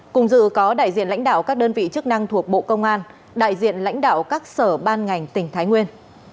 cùng dự có đại diện lãnh đạo các đơn vị chức năng thuộc bộ công an đại diện lãnh đạo các sở ban ngành tỉnh thái nguyên